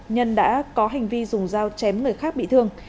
nhân đã có hành vi dùng dao chém người khác bị thương